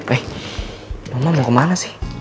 eh mama mau kemana sih